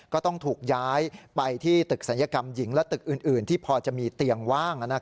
ก็ต้องถูกย้ายไปที่ตึกศัลยกรรมหญิงและตึกอื่นที่พอจะมีเตียงว่าง